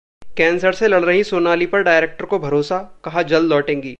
cancer से लड़ रहीं सोनाली पर डायरेक्टर को भरोसा, कहा- जल्द लौटेंगी